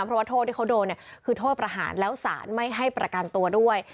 เพราะว่าโทษที่เขาโดนเนี่ยคือโทษประหารแล้วสารไม่ให้ประกันตัวด้วย